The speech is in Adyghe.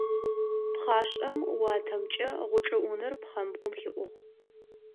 Пхъашӏэм уатэмкӏэ гъучӏыӏунэр пхъмэбгъум хиӏугъ.